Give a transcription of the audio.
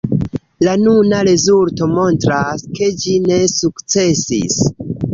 La nuna rezulto montras, ke ĝi ne sukcesis.